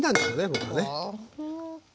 僕はね。